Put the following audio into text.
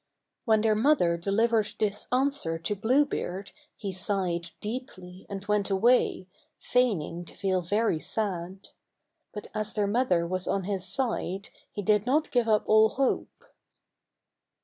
When their mother delivered this answer to Blue Beard, he sighed deeply and went away, feigning to feel very sad. But as their mother was on his side, he did not give up all hope.